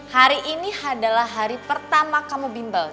hari ini adalah hari pertama kamu bimbel